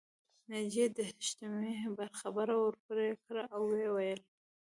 ناجیې د حشمتي خبره ورپرې کړه او ويې ويل